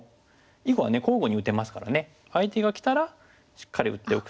囲碁は交互に打てますからね相手がきたらしっかり打っておくと。